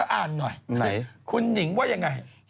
เธออ่านหน่อยนะฮะเค้าคุณหญิงว่าอย่างไรย่ะ